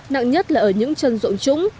nặng nhất là ở những chân ruộng trúng